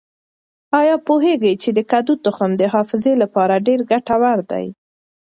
آیا پوهېږئ چې د کدو تخم د حافظې لپاره ډېر ګټور دی؟